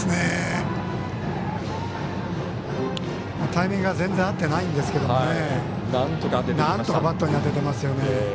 タイミングが全然合ってないんですけどなんとかバットに当てていますね。